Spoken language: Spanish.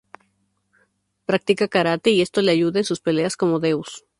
Practica Karate y esto le ayuda en sus peleas como Deus.